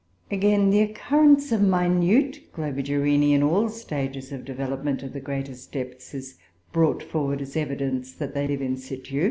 Again, the occurrence of minute Globigerinoe in all stages of development, at the greatest depths, is brought forward as evidence that they live in situ.